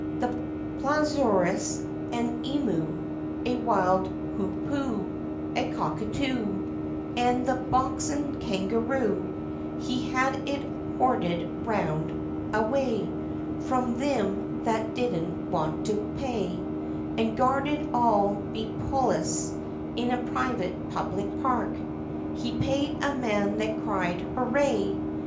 The plaziozarus, and emu, A wild hoopoo, A cockatoo, An' the boxin' kangaroo, He had it hoarded round, away From thim that didn't want to pay, An' guarded all be polis, in a private public park, He paid a man that cried "Hooray!"